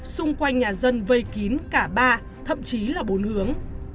xung quanh nhà dân vây kín cả ba thậm chí là bốn hướng